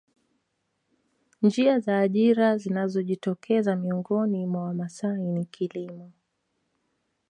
Njia za ajira zinazojitokeza miongoni mwa Wamasai ni kilimo